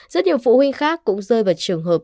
rất nhiều phụ huynh khác cũng rơi vào trường hợp